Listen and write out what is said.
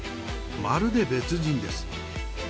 まるで別人です。